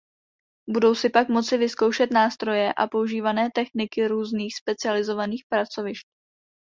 Budou si pak moci vyzkoušet nástroje a používané techniky různých specializovaných pracovišť.